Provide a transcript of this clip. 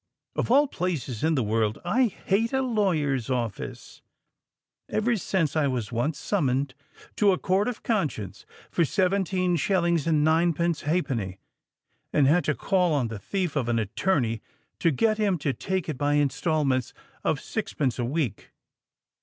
Of all places in the world, I hate a lawyer's office—ever since I was once summoned to a Court of Conscience for seventeen shillings and ninepence halfpenny, and had to call on the thief of an attorney to get him to take it by instalments of sixpence a week.